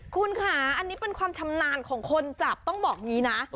คุณค่ะอันนี้เป็นความชำนาญของคนจับต้องบอกอย่างนี้นะ